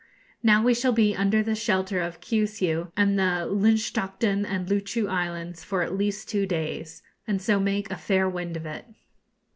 Now we shall be under the shelter of Kiusiu and the Linschoten and Luchu islands for at least two days, and so make a fair wind of it.